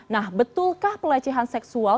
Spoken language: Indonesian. nah betulkah pelecehan seksual